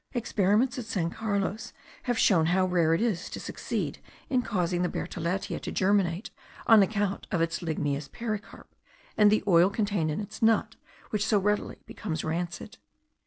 Experiments made at San Carlos have shown how rare it is to succeed in causing the bertholletia to germinate, on account of its ligneous pericarp, and the oil contained in its nut which so readily becomes rancid.